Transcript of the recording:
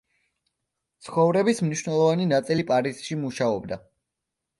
ცხოვრების მნიშვნელოვანი ნაწილი პარიზში მუშაობდა.